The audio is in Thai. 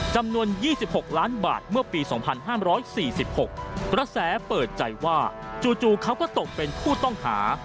จำนวนยี่สิบหกล้านบาทเมื่อปีสองพันห้ามร้อยสี่สิบหกพระแสเปิดใจว่าจู่เขาก็ตกเป็นผู้ต้องหา